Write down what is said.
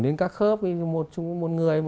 đến các khớp một người